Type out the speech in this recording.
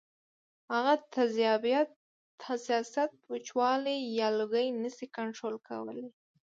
هغه تیزابیت ، حساسیت ، وچوالی یا لوګی نشي کنټرول کولی